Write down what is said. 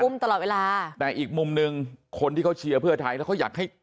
ตลอดเวลาแต่อีกมุมหนึ่งคนที่เขาเชียร์เพื่อไทยแล้วเขาอยากให้